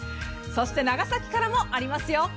そして、長崎からもありますよ。